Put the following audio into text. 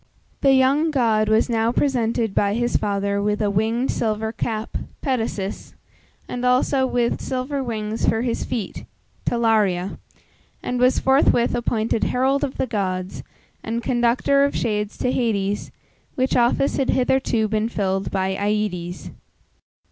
The young god was now presented by his father with a winged silver cap (Petasus), and also with silver wings for his feet (Talaria), and was forthwith appointed herald of the gods, and conductor of shades to Hades, which office had hitherto been filled by Aïdes.